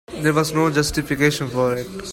There was no justification for it.